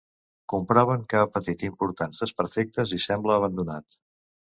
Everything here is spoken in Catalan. Comproven que ha patit importants desperfectes i sembla abandonat.